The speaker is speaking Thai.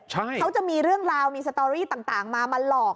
เขาจะมีเรื่องราวมีสตอรี่ต่างมามาหลอก